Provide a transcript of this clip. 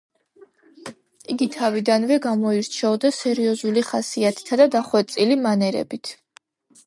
იგი თავიდანვე გამოირჩეოდა სერიოზული ხასიათითა და დახვეწილი მანერებით.